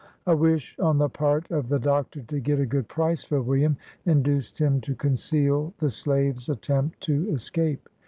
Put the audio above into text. A wish on the part of the Doctor to get a good price for William, induced him to conceal the slave's attempt to escape.